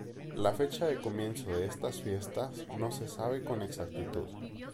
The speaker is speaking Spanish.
La fecha de comienzo de estas fiestas no se sabe con exactitud.